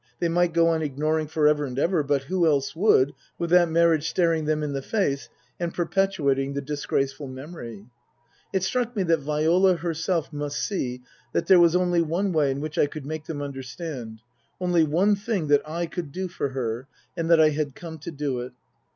They might go on ignoring for ever and ever, but who else would, with that marriage staring them in the face and perpetuating the disgraceful memory ? It struck me that Viola herself must see that there was only one way in which I could make them understand, only one thing that I could do for her, and that I had come to do it.